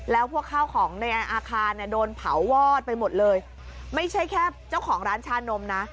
แล้วพวกข้าวของในอาคารเนี่ยโดนเผาวอดไปหมดเลยไม่ใช่แค่เจ้าของร้านชานมนะ